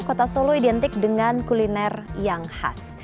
kota solo identik dengan kuliner yang khas